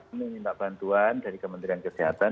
kami minta bantuan dari kementerian kesehatan